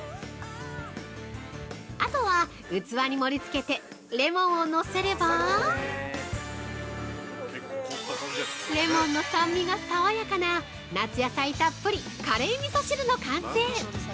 あとは器に盛り付けてレモンをのせればレモンの酸味が爽やかな夏野菜たっぷりカレーみそ汁の完成！